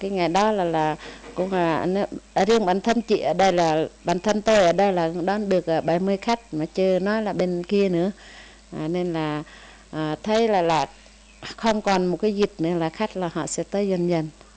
nên là thấy là không còn một cái dịch nữa là khách là họ sẽ tới dần dần